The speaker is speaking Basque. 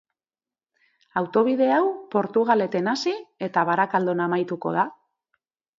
Autobide hau Portugaleten hasi eta Barakaldon amaituko da.